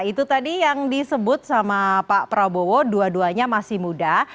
itu tadi yang disebut sama pak prabowo dua duanya masih muda